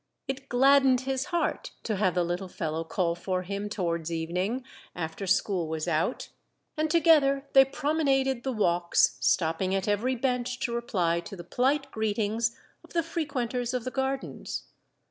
It gladdened his heart to have the little fellow call for him towards evening, after school was out; and together they promenaded the walks, stopping at every bench to reply to the polite greetings of the frequenters of the gardens.